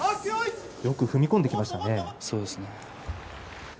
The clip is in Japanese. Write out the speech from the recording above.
よく踏み込んでいきましたね。